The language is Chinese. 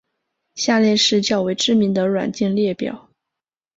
下列是较为知名的软件列表。